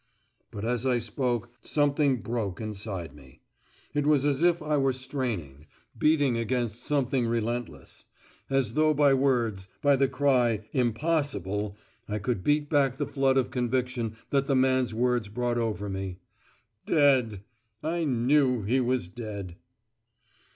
But as I spoke, something broke inside me. It was as if I were straining, beating against something relentless. As though by words, by the cry "impossible" I could beat back the flood of conviction that the man's words brought over me. Dead! I knew he was dead.